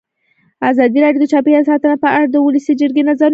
ازادي راډیو د چاپیریال ساتنه په اړه د ولسي جرګې نظرونه شریک کړي.